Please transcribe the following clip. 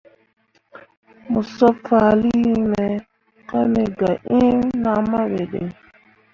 Mo sob fahlii nyi me ka me ga eẽ nahma be ɗə.